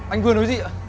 anh vừa nói gì ạ